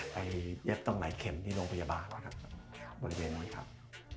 ไปเย็บต้องไหลเข็มที่โรงพยาบาลบริเวณนี้ครับ